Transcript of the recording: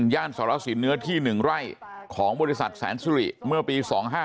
ย่านสรสินเนื้อที่๑ไร่ของบริษัทแสนสุริเมื่อปี๒๕๕